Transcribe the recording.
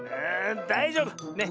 ⁉だいじょうぶ。ね。